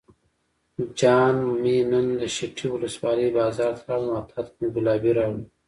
جان مې نن دشټي ولسوالۍ بازار ته لاړم او تاته مې ګلابي راوړې.